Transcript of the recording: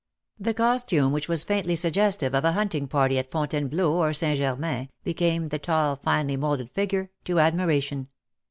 The costume, which was faintly sugges tive of a hunting party at Fontainebleau or St. GermainSj became the tall finely moulded figure to admiration.